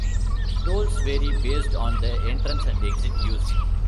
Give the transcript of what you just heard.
Tolls vary based on the entrance and exit used.